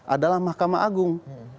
adalah mahkamah agung